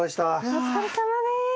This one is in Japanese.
お疲れさまです。